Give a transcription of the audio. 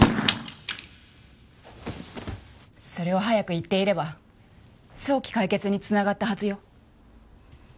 それを早く言っていれば早期解決に繋がったはずよ。